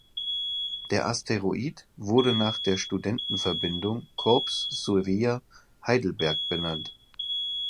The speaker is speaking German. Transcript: Der Asteroid wurde nach der Studentenverbindung "Corps Suevia Heidelberg" benannt.